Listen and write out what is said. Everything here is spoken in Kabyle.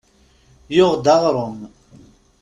Yuɣ-d aɣrum.